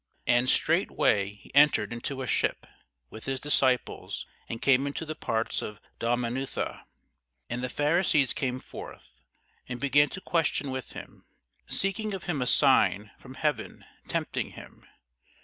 And straightway he entered into a ship with his disciples, and came into the parts of Dalmanutha. And the Pharisees came forth, and began to question with him, seeking of him a sign from heaven, tempting him.